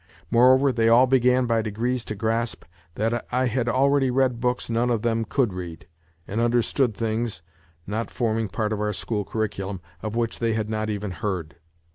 More over, they all began by degrees to grasp that I had already read books none of them could read, and understood things (not forming part of our school curriculum) of which they had not evrii heard.